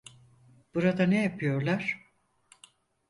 Burada ne yapıyorlar?